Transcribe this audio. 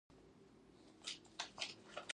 یهودي متل وایي اوښکې د روح پاکوونکي دي.